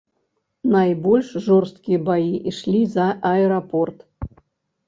Найбольш жорсткія баі ішлі за аэрапорт.